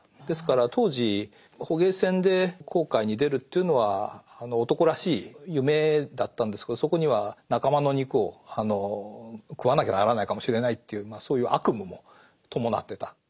ですから当時捕鯨船で航海に出るというのは男らしい夢だったんですけどそこには仲間の肉を食わなきゃならないかもしれないというそういう悪夢も伴ってた。